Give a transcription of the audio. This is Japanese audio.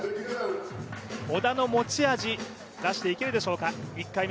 織田の持ち味出していけるでしょうか。